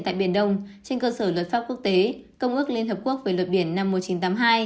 tại biển đông trên cơ sở luật pháp quốc tế công ước liên hợp quốc về luật biển năm một nghìn chín trăm tám mươi hai